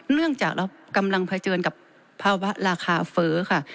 เนื่องจากเรากำลังเผชิญกับภาวะราคาเฟ้อค่ะ